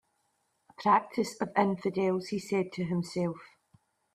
"A practice of infidels," he said to himself.